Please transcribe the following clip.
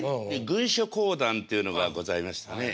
軍書講談というのがございましてね